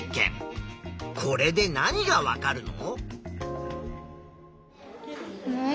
これで何がわかるの？